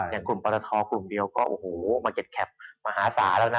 อย่างกลุ่มปรทกลุ่มเดียวก็โอ้โหมาเก็บแคปมหาศาลแล้วนะ